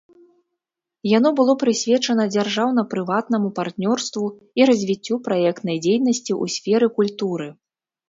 Яно было прысвечана дзяржаўна-прыватнаму партнёрству і развіццю праектнай дзейнасці ў сферы культуры.